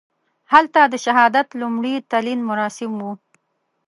هلته د شهادت لومړي تلین مراسم وو.